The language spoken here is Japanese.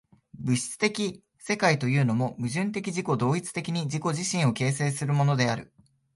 物質的世界というも、矛盾的自己同一的に自己自身を形成するものである。